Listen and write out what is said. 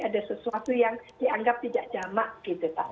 ada sesuatu yang dianggap tidak jamak gitu